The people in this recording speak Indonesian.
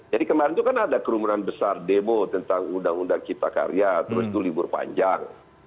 jadi kemarin itu kan ada kerumunan besar demo tentang undang undang kita karya terus itu libur panjang